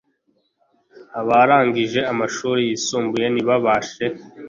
Abarangije amashuri yisumbuye ntibabashe